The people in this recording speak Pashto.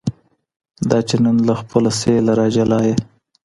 دا چي نن له خپله سېله را جلا یې